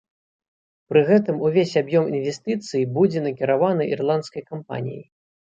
Пры гэтым увесь аб'ём інвестыцый будзе накіраваны ірландскай кампаніяй.